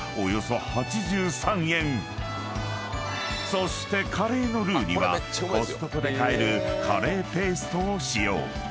［そしてカレーのルーにはコストコで買えるカレーペーストを使用］